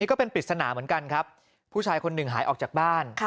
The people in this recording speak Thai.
ก็เป็นปริศนาเหมือนกันครับผู้ชายคนหนึ่งหายออกจากบ้าน